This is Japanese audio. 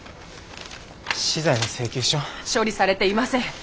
資材の請求書？処理されていません。